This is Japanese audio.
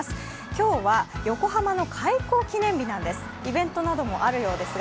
今日は横浜の開港記念日なんです。